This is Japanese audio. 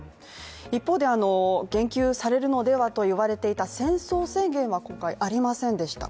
一方で、言及されるのではといわれていた戦争宣言は今回、ありませんでした。